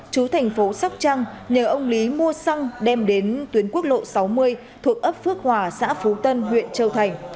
chú thành phố sóc trăng nhờ ông lý mua xăng đem đến tuyến quốc lộ sáu mươi thuộc ấp phước hòa xã phú tân huyện châu thành